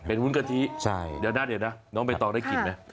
เป็นบุ้นกะทิน้องใบตองได้กลิ่นไหม